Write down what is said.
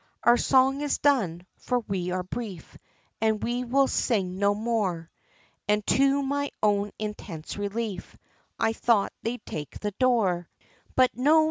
Our song is done, for we are brief, And we will sing no more, And to my own intense relief, I thought they'd take the door, But no!